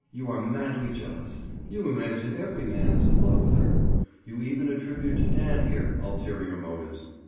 You are madly jealous. You imagine every man is in love with her. You even attribute to Dan here, ulterior motives."